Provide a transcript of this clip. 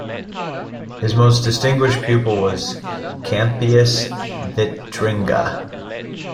His most distinguished pupil was Campeius Vitringa.